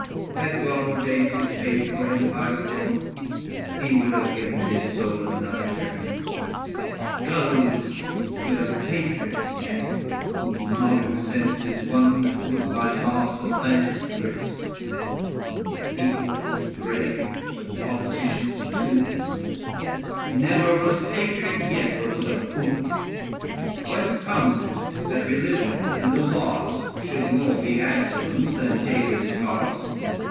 Had God ordained his fate for empire born, He would have given his soul another turn : Gulled with a patriot's name, whose modern sense 965 Is one that would by law supplant his prince ; I \^f M * 114 ABSALOM AND ACHITOPHEL. The people's brave, the politician's tool; Never was patriot yet but was a fooi. Whence comes it that religion and the laws Should more be Absalom's than David's cause